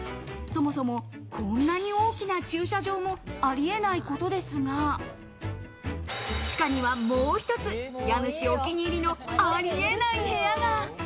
そもそもこんなに大きな駐車場もあり得ないことですが、地下にはもう一つ、家主お気に入りのありえない部屋が。